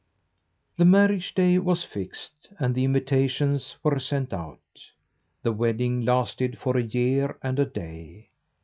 The marriage day was fixed, and the invitations were sent out. The wedding lasted for a year and a day.